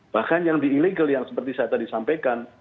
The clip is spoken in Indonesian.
bahkan yang di ilegal yang seperti saya tadi sampaikan